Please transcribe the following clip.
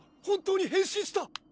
本当に変身した！